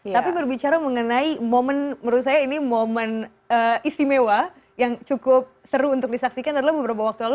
tapi berbicara mengenai momen menurut saya ini momen istimewa yang cukup seru untuk disaksikan adalah beberapa waktu lalu